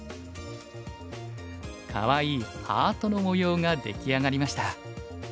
かわいいハートの模様が出来上がりました。